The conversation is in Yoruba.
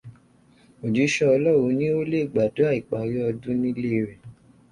Òjíṣẹ́ Ọlọ́run ní o lè gbàdúrà ìparí ọdún nílé rẹ.